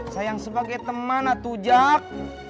sayang sebagai teman atujak